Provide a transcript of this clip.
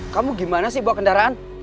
kamu gimana sih bawa kendaraan